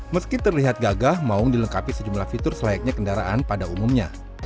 meski terlihat gagah maung dilengkapi sejumlah fitur selayaknya kendaraan pada umumnya